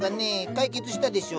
解決したでしょ？